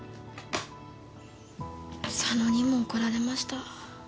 佐野にも怒られました。